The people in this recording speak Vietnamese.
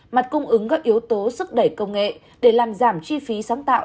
mặt cung ứng các yếu tố sức đẩy công nghệ để làm giảm chi phí sáng tạo